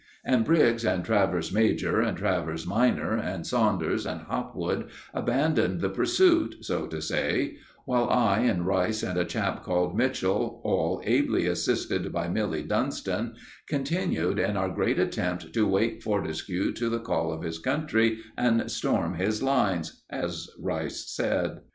And Briggs and Travers major and Travers minor and Saunders and Hopwood abandoned the pursuit, so to say; while I and Rice and a chap called Mitchell, all ably assisted by Milly Dunston, continued in our great attempt to wake Fortescue to the call of his country and storm his lines, as Rice said.